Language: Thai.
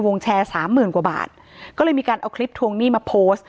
วงแชร์๓๐๐๐กว่าบาทก็เลยมีการเอาคลิปทรงนี่มาโพสต์